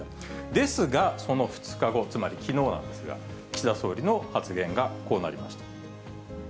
ですが、その２日後、つまりきのうなんですが、岸田総理の発言がこうなりました。